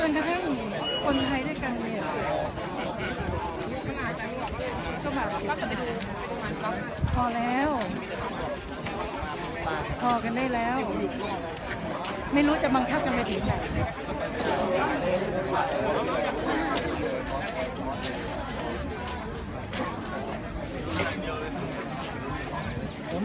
หลังจากเกิดการประทะกันนะคะก็มีผู้ที่ได้รับบาดเจ็บและถูกนำตัวส่งโรงพยาบาลเป็นผู้หญิงวัยกลางคน